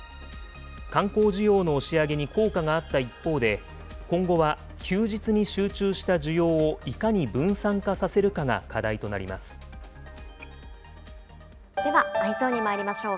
観光需要の押し上げに効果があった一方で、今後は休日に集中した需要をいかに分散化させるかが課題となりまではＥｙｅｓｏｎにまいりましょう。